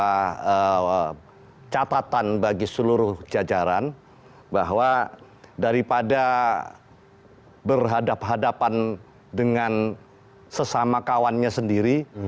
ada catatan bagi seluruh jajaran bahwa daripada berhadapan hadapan dengan sesama kawannya sendiri